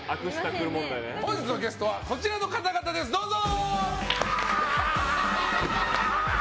本日のゲストはこちらの方々です、どうぞ！